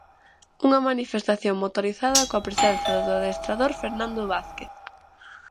Unha manifestación motorizada coa presenza do adestrador Fernando Vázquez.